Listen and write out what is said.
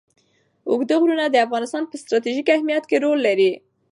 اوږده غرونه د افغانستان په ستراتیژیک اهمیت کې رول لري.